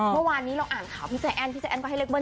เมื่อวานนี้เราอ่านข่าวพี่ใจแอ้นพี่ใจแอ้นก็ให้เลขเบิ